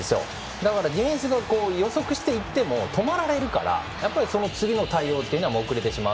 だからディフェンスが予測していっても止まられるから、次の対応が遅れてしまう。